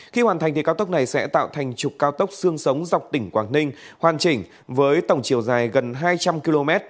khi hoàn thành cao tốc này sẽ tạo thành trục cao tốc sương sống dọc tỉnh quảng ninh hoàn chỉnh với tổng chiều dài gần hai trăm linh km